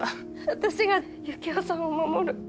私がユキオさんを守る。